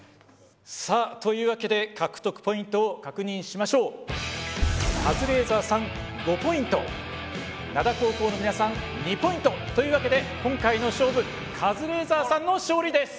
さあというわけでカズレーザーさん５ポイント灘高校の皆さん２ポイントというわけで今回の勝負カズレーザーさんの勝利です。